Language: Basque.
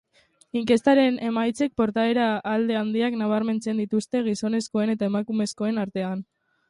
Inkestaren emaitzek portaera alde handiak nabarmentzen dituzte gizonezkoen eta emakumezkoen artean.